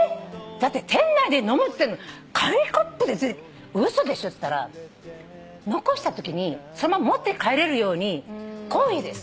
だって店内で飲むっつってんのに紙コップで嘘でしょっつったら「残したときにそのまま持って帰れるように厚意です」